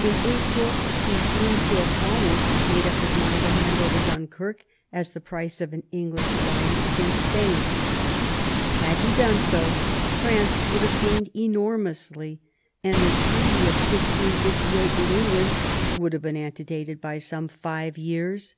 In April he seems to have almost made up his mind to hand over Dunkirk as the price of an English alliance against Spain. Had he done so France would have gained enormously, and the treaty of 1658 with England would have been antedated by some five years.